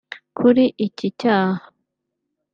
Kuri iki cyaha